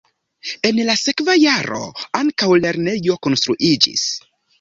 En la sekva jaro ankaŭ lernejo konstruiĝis.